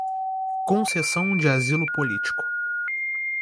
concessão de asilo político